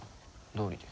どうりで。